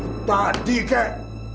baru tadi kek